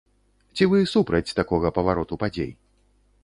Ці вы супраць такога павароту падзей?